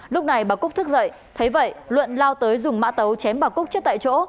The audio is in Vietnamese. lúc này bà cúc dậy thấy vậy luận lao tới dùng mã tấu chém bà cúc chết tại chỗ